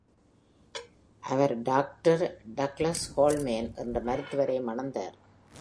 அவர் doctor Douglas Coleman என்ற மருத்துவரை மணந்தார்.